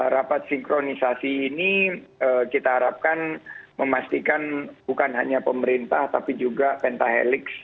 rapat sinkronisasi ini kita harapkan memastikan bukan hanya pemerintah tapi juga pentahelix